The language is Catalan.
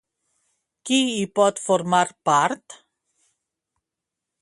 Qui hi pot formar part?